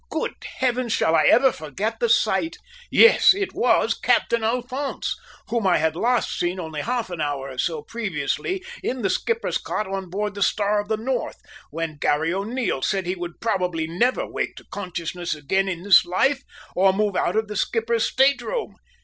Good heavens! Shall I ever forget the sight? Yes; it was Captain Alphonse, whom I had last seen only half an hour or so previously in the skipper's cot on board the Star of the North, when Garry O'Neil said he would probably never wake to consciousness again in this life, or move out of the skipper's state room!